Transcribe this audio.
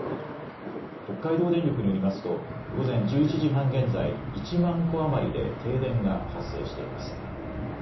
北海道電力によりますと午前１１時半現在、１万戸余りで停電が発生しています。